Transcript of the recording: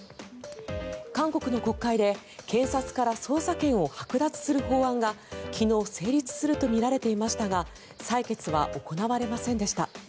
韓国の国会で検察から捜査権をはく奪する法案が昨日成立するとみられていましたが採決は行われませんでした。